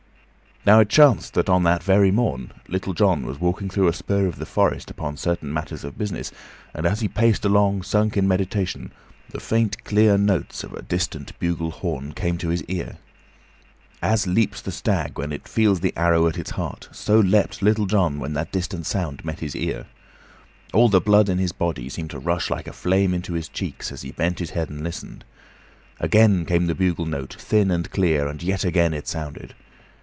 Now it chanced that on that very morn Little John was walking through a spur of the forest upon certain matters of business, and as he paced along, sunk in meditation, the faint, clear notes of a distant bugle horn came to his ear. As leaps the stag when it feels the arrow at its heart, so leaped Little John when that distant sound met his ear. All the blood in his body seemed to rush like a flame into his cheeks as he bent his head and listened. Again came the bugle note, thin and clear, and yet again it sounded.